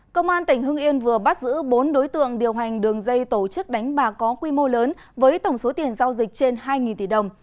công an tỉnh hưng yên vừa bắt giữ bốn đối tượng điều hành đường dây tổ chức đánh bạc có quy mô lớn với tổng số tiền giao dịch trên hai tỷ đồng